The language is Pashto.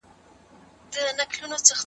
شبح سپوږمۍ رازونه لري او نادره دي.